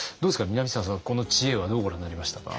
南沢さんはこの知恵はどうご覧になりましたか？